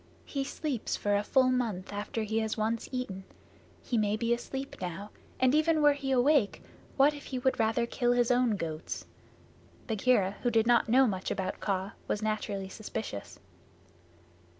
"He sleeps for a full month after he has once eaten. He may be asleep now, and even were he awake what if he would rather kill his own goats?" Bagheera, who did not know much about Kaa, was naturally suspicious.